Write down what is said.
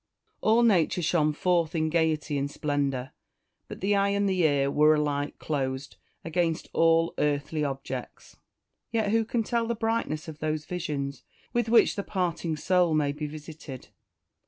All nature shone forth in gaiety and splendour, but the eye and the ear were alike closed against all earthly objects. Yet who can tell the brightness of those visions with which the parting soul may be visited?